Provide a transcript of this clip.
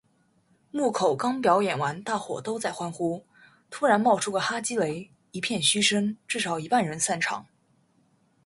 木口刚表演完大伙都在欢呼，突然冒出个哈基雷，一片嘘声，至少一半人散场